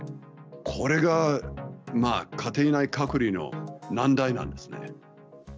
これが家庭内隔離の難題なんですね。